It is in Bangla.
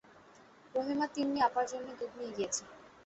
রহিমা তিন্নি আপার জন্যে দুধ নিয়ে গিয়েছিল।